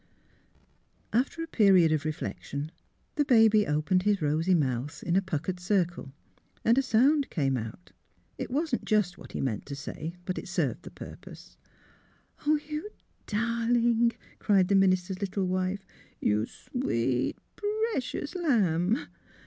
After a period of reflection the baby opened his rosy mouth in a puckered circle and a sound came out. It wasn't just what he meant to say; but it served the purpose. ''You darling!" cried the minister's little wife. " You s w e e t, pr r ecious la amb!